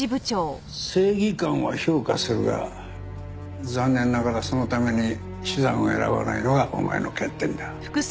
正義感は評価するが残念ながらそのために手段を選ばないのがお前の欠点だ。